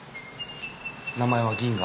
名前は「銀河」。